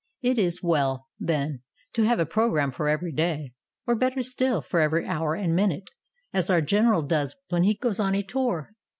It is well, then, to have a pro gram for every day, or, better still, for every hour and minute, as our General does when he goes on a tour.